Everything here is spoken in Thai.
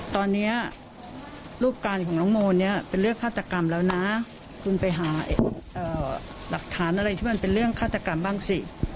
ตอนนี้รูปการของน้องโมเนี่ยเป็นเรื่องฆาตกรรมแล้วนะคุณไปหาหลักฐานอะไรที่มันเป็นเรื่องฆาตกรรมบ้างสิ